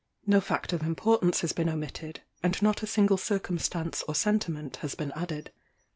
No fact of importance has been omitted, and not a single circumstance or sentiment has been added.